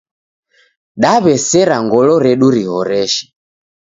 Daw'esera ngolo redu rihoresho.